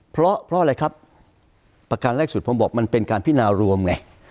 เพราะอะไรครับประการแรกสุดผมบอกมันเป็นการพินารวมไง